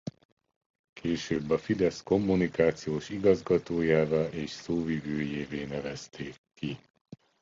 Később a Fidesz kommunikációs igazgatójává és szóvivőjévé nevezték ki.